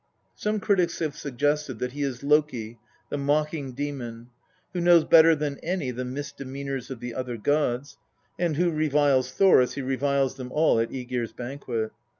Some critics have suggested that he is Loki, the mocking demon, who knows better than any the mis demeanours of the other gods, and who now reviles Thor as he reviles them all at ^Egir's banquet.